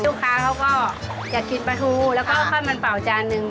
ลูกค้าเขาก็อยากกินปลาถูแล้วก็ข้าวมันเปล่าจานหนึ่ง